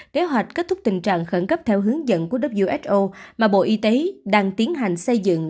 kế hoạch kết thúc tình trạng khẩn cấp theo hướng dẫn của who mà bộ y tế đang tiến hành xây dựng